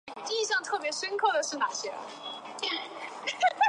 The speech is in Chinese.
利升银行是晚清在上海租界开设的一家英资银行。